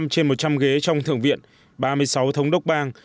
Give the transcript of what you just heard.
ba mươi năm trên một trăm linh ghế trong thượng viện ba mươi sáu thống đốc bang